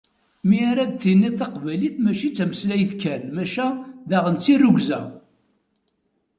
Mi ara d-tiniḍ taqbaylit mačči d tameslayt kan maca daɣen d tirrugza.